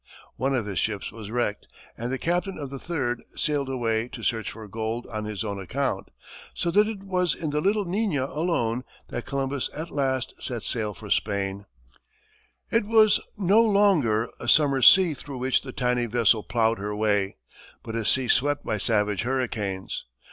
One of his ships was wrecked and the captain of the third sailed away to search for gold on his own account, so that it was in the little Niña alone that Columbus at last set sail for Spain. [Illustration: COLUMBUS] It was no longer a summer sea through which the tiny vessel ploughed her way, but a sea swept by savage hurricanes.